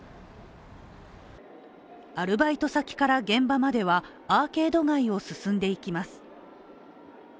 アルバイト先から現場まではアーケード街を進んでいきます。